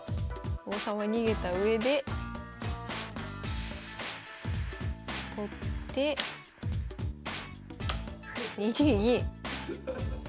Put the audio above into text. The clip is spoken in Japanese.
王様逃げたうえで取って２二銀。